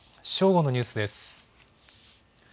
正午のニュースです。